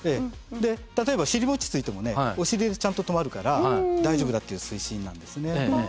例えば尻餅ついてもねお尻でちゃんと止まるから大丈夫だっていう水深なんですね。